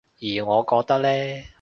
而我覺得呢